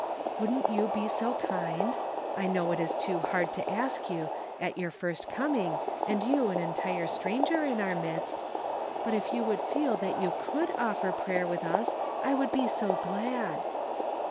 Wouldn't you be so kind — I know it is too hard to ask you, at your first coming, and you an entire stranger in our midst — but if you would feel that you could offer prayer with us I would be so glad."